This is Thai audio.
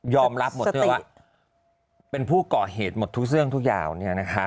ยอมรับหมดทั้งว่าเป็นผู้ก่อเหตุหมดทุกเสริมทุกยาวเนี่ยนะฮะ